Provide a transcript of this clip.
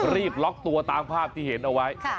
รีบล็อกตัวตามภาพที่เห็นเอาไว้